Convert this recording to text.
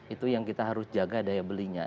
itu yang kita harus jaga daya belinya